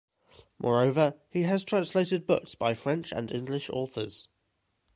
Moreover, he has translated books by French and English authors.